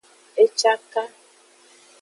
E caka.